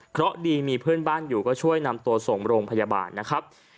เพราะดีมีเพื่อนบ้านอยู่ก็ช่วยนำตัวส่งโรงพยาบาลนะครับ